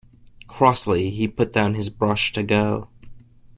Crossly he put down his brush to go.